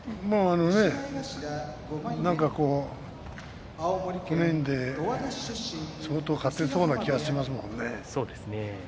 なんかこの辺で相当勝てそうな気がしますよね。